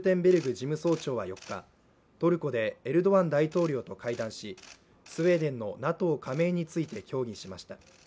事務総長は４日、トルコでエルドアン大統領と会談しスウェーデンのＮＡＴＯ加盟について協議しました。